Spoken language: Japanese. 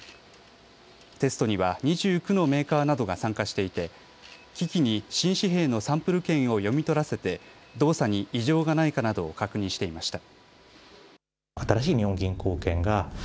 テストには２９のメーカーなどが参加していて、機器に新紙幣のサンプル券を読み取らせて動作に異常がないかなどを確認していました。